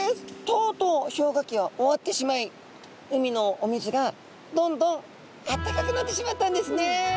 とうとう氷河期は終わってしまい海のお水がどんどんあったかくなってしまったんですね。